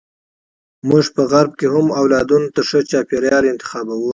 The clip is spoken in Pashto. موږ په غرب کې هم اولادونو ته ښه چاپیریال انتخابوو.